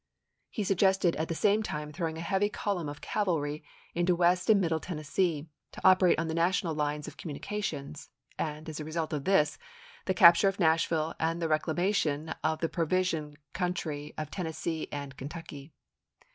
He suggested at the same time throwing a heavy column of cavalry into West and Middle Tennessee, to operate on the National lines of communications, "^rrati™ and, as a result of this, the capture of Nashville ° opera; ry and the reclamation of the provision country of pp. 291/292. Tennessee and Kentucky.